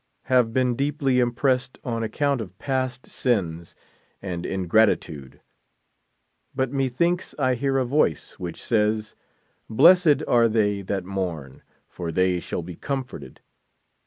Have been deeply impse=sed on account of past sins and ingratitude. But methinks I hear a voice, which says : Blessed are they that mourn, for they shall be comforted.